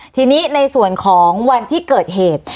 ทีนี้ในส่วนของวันที่เกิดเหตุ